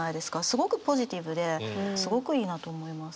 すごくポジティブですごくいいなと思います。